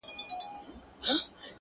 د انغري له خوانه خړې سونډې بيا راغلله